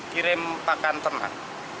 kirim pakan ternak